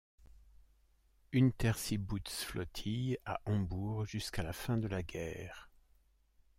Unterseebootsflottille à Hambourg jusqu'à la fin de la guerre.